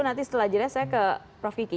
nanti setelah jeda saya ke prof vicky